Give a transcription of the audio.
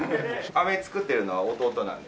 あめ作ってるのは弟なんです。